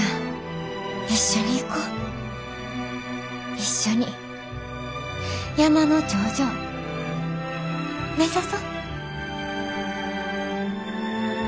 一緒に山の頂上目指そ。